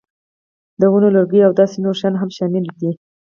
د ونو لرګي او داسې نور شیان هم شامل دي.